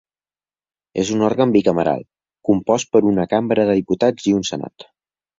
És un òrgan bicameral compost per una Cambra de Diputats i un Senat.